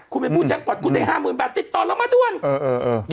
คุณไปบูชักกวัดคุณได้๕๐๐๐๐บาทติดต่อแล้วมาด้วย